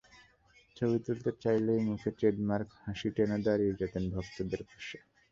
ছবি তুলতে চাইলেই মুখে ট্রেডমার্ক হাসি টেনে দাঁড়িয়ে যেতেন ভক্তদের পাশে।